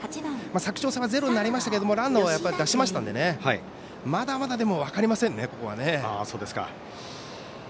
佐久長聖はゼロになりましたけどランナーは出しましたのでまだまだ分かりませんね。